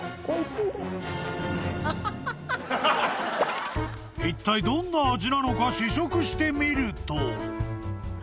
［いったいどんな味なのか試食してみると］